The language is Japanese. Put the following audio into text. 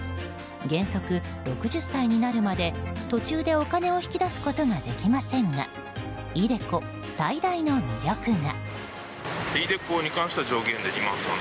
原則６０歳になるまで途中でお金を引き出すことができませんがｉＤｅＣｏ最大の魅力が。